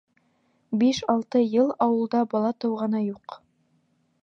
Биш-алты йыл ауылда бала тыуғаны юҡ!